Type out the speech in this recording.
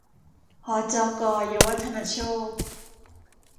หจก.เยาวธนโชค